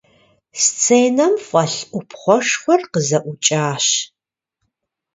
Сценэм фӀэлъ Ӏупхъуэшхуэр къызэӀукӀащ.